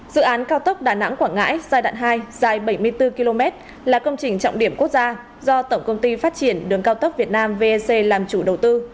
dự án cao tốc đà nẵng quảng ngãi giai đoạn hai dài bảy mươi bốn km là công trình trọng điểm quốc gia do tổng công ty phát triển đường cao tốc việt nam vec làm chủ đầu tư